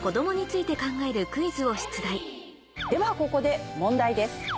ではここで問題です。